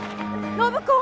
暢子！